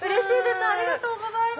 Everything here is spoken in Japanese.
ありがとうございます。